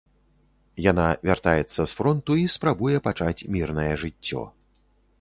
Яна вяртаецца з фронту і спрабуе пачаць мірнае жыццё.